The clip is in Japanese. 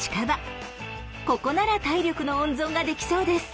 ここなら体力の温存ができそうです。